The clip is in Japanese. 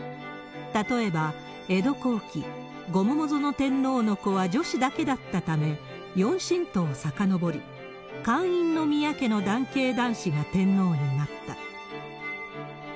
例えば江戸後期、後桃園天皇の子は女子だけだったため、４親等さかのぼり、閑院宮家の男系男子が天皇になった。